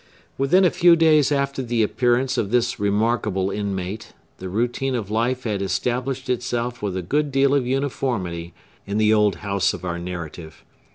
Within a few days after the appearance of this remarkable inmate, the routine of life had established itself with a good deal of uniformity in the old house of our narrative.